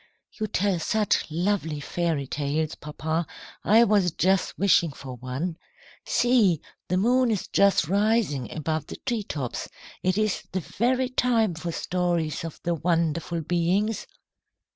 "You tell such lovely fairy tales, papa, I was just wishing for one. See! The moon is just rising above the tree tops. It is the very time for stories of the wonderful beings."